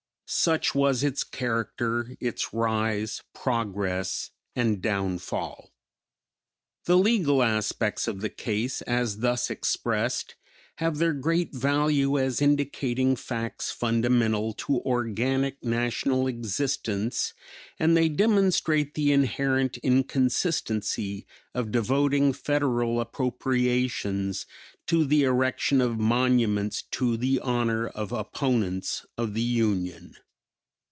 Such was its character, its rise, progress and downfall." The legal aspects of the case as thus expressed have their great value as indicating facts fundamental to organic National existence and they demonstrate the inherent inconsistency of devoting Federal appropriations to the erection of monuments to the honor of opponents of the Union.